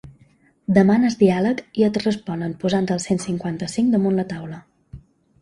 Demanes diàleg i et responen posant el cent cinquanta-cinc damunt la taula.